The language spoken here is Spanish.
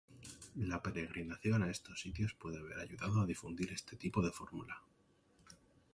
La peregrinación a estos sitios puede haber ayudado a difundir este tipo de fórmula.